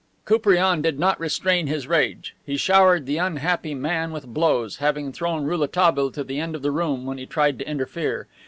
Koupriane did not restrain his rage. He showered the unhappy man with blows, having thrown Rouletabille to the end of the room when he tried to interfere.